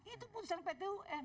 itu putusan ptun